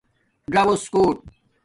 ژݹس کوٹ